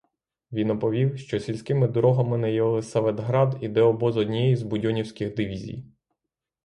Він оповів, що сільськими дорогами на Єлисаветград іде обоз однієї з будьонівських дивізій.